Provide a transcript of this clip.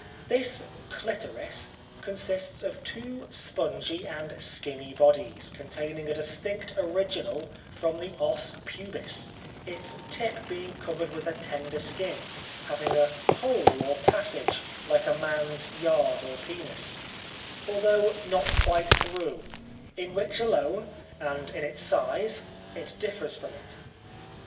This clitoris consists of two spongy and skinny bodies, containing a distinct original from the os pubis, its tip being covered with a tender skin, having a hole or passage like a man's yard or penis, although not quite through, in which alone, and in its size it differs from it.